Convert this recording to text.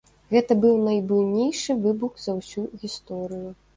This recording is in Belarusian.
Гэта быў найбуйнейшы выбух за ўсю гісторыю.